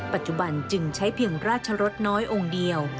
ปัจจุบันจึงใช้เพียงราชรสน้อยองค์เดียว